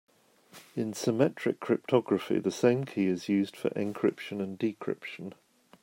In symmetric cryptography the same key is used for encryption and decryption.